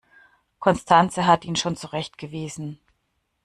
Constanze hat ihn schon zurechtgewiesen.